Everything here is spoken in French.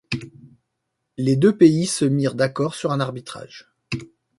Les deux pays se mirent d'accord sur un arbitrage.